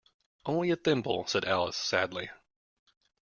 ‘Only a thimble,’ said Alice sadly.